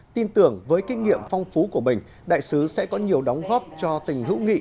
tin tưởng với kinh nghiệm phong phú của mình đại sứ sẽ có nhiều đóng góp cho tình hữu nghị